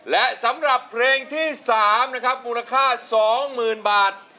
และสำหรับเพลงที่๓นะครับมูลค่า๒๐๐๐บาท